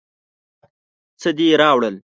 څه دې راوړل.